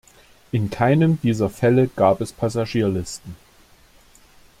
In keinem dieser Fälle gab es Passagierlisten.